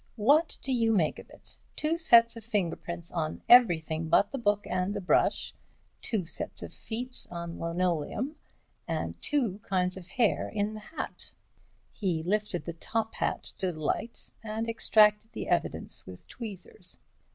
what do you make of it? Two sets of finger prints on everything but the book and the brush, two sets of feet on the linoleum, and two kinds of hair in the hat!" He lifted the top hat to the light, and extracted the evidence with tweezers.